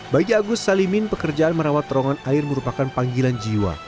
bagi agus salimin pekerjaan merawat terowongan air merupakan panggilan jiwa